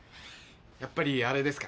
やっぱりアレですか？